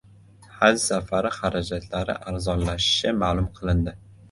Haj safari xarajatlari arzonlashishi ma’lum qilindi